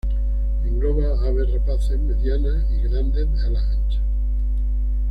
Engloba aves rapaces medianas y grandes de alas anchas.